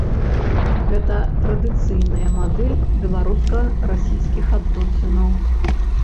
Гэта традыцыйная мадэль беларуска-расійскіх адносінаў.